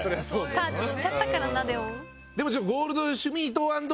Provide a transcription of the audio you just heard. パーティーしちゃったからなでも。